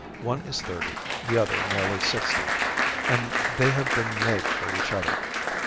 One is thirty, the other nearly sixty, and they have been made for each other.